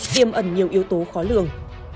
tiêm ẩn nhiều yếu tố khó lường